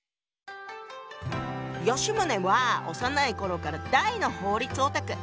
吉宗は幼い頃から大の法律オタク。